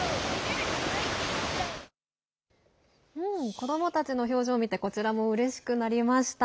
子どもたちの表情を見てこちらもうれしくなりました。